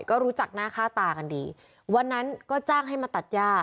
ก็รู้จักหน้าค่าตากันดีวันนั้นก็จ้างให้มาตัดย่า